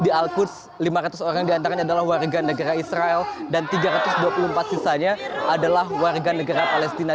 di al qur lima ratus orang diantaranya adalah warga negara israel dan tiga ratus dua puluh empat sisanya adalah warga negara palestina